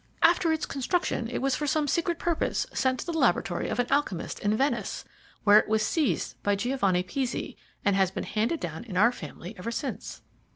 After its construction it was for some secret purpose sent to the laboratory of an alchemist in Venice, where it was seized by Giovanni Pizzi, and has been handed down in our family ever since."